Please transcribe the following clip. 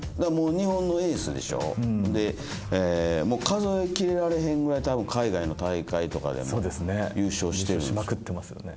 日本のエースでしょ？で数えきれられへんぐらい海外の大会とかでも優勝してるんですよ。